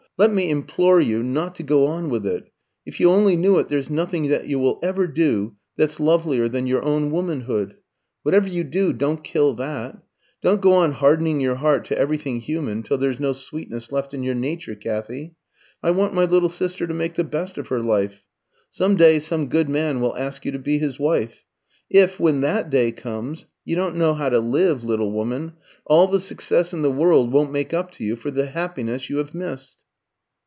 Let me implore you not to go on with it. If you only knew it, there's nothing that you will ever do that's lovelier than your own womanhood. Whatever you do, don't kill that. Don't go on hardening your heart to everything human till there's no sweetness left in your nature, Kathy. I want my little sister to make the best of her life. Some day some good man will ask you to be his wife. If, when that day comes, you don't know how to love, little woman, all the success in the world won't make up to you for the happiness you have missed."